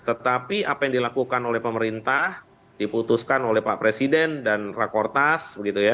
tetapi apa yang dilakukan oleh pemerintah diputuskan oleh pak presiden dan rakortas